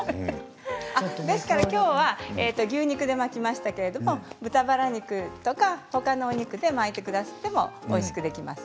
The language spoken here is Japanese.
きょうは牛肉で巻きましたけれど豚バラ肉とかほかのお肉で巻いてくださってもおいしくできます。